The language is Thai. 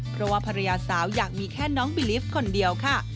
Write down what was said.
เพราะว่าภรรยาสาวอยากมีแค่น้องบิลิฟต์คนเดียวค่ะ